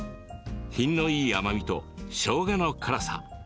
品のいい甘みとしょうがの辛さ